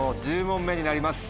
１０問目になります